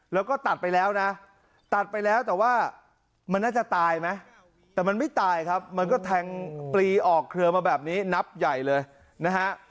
แล้วก็ตัดไปแล้วนะตัดไปแล้วแต่ว่ามันน่าจะตายไหมแต่มันไม่ตายครับมันก็แทงปลีออกเครือมาแบบนี้นับใหญ่เลยนะฮะ